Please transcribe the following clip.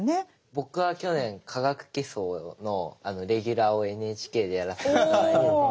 僕は去年「化学基礎」のレギュラーをＮＨＫでやらせて頂いてて。